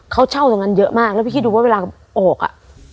เขาเช่าทางกันเยอะมากและพี่คิดว่าเวลาโอกอะ